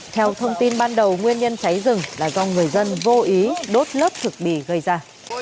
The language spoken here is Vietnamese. theo thông tin ban đầu nguyên nhân cháy rừng là do người dân vô ý đốt lớp thực bì gây ra